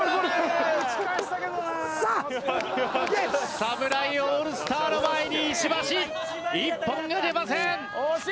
侍オールスターの前に石橋１本が出ません。